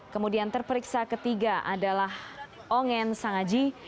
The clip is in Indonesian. kemudian terperiksa ketiga adalah ongen sangaji